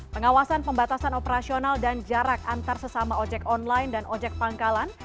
pengawasan pembatasan operasional dan jarak antar sesama ojek online dan ojek pangkalan